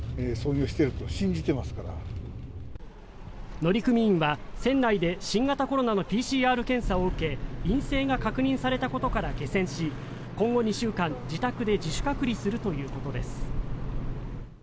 乗組員は船内で新型コロナのＰＣＲ検査を受け陰性が確認されたことから下船し今後２週間自宅で自主隔離するということです。